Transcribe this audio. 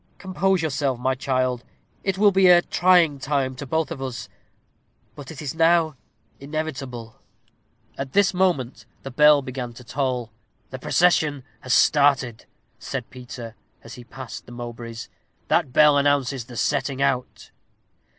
Compose yourself, my child. It will be a trying time to both of us; but it is now inevitable." At this moment the bell began to toll. "The procession has started," said Peter, as he passed the Mowbrays. "That bell announces the setting out."